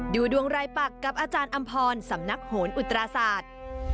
ดูดวงรายปักกับอาจารย์อำพรสำนักโหนอุตราศาสตร์